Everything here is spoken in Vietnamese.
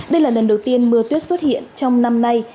đây là lần đầu tiên mưa tuyết xuất hiện trong năm nay